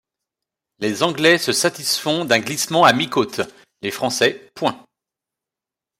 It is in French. Les anglais se satisfont d’un glissement à mi-côte ; les français point.